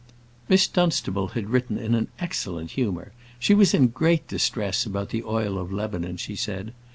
Miss Dunstable had written in an excellent humour. She was in great distress about the oil of Lebanon, she said.